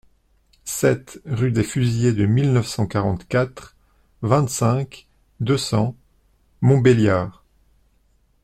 sept rue des Fusillés de mille neuf cent quarante-quatre, vingt-cinq, deux cents, Montbéliard